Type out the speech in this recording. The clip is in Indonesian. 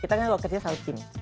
kita kan kalau kerja satu tim